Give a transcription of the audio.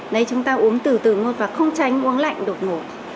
này chúng ta uống từ từ một và không tránh uống lạnh đột ngột